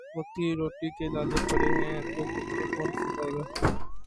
وقت کی روٹی کے لالے پڑے ہیں تو کپڑے کون سلوائے گا